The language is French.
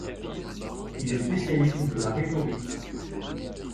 Il est spécialiste de la rhétorique.